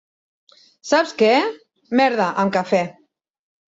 Saps què? —Merda amb cafè.